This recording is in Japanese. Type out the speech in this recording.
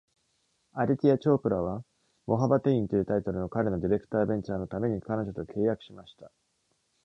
アディティヤ・チョープラは、「モハバテイン」というタイトルの彼のディレクターベンチャーのために彼女と契約しました。